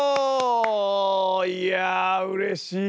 いやあうれしい！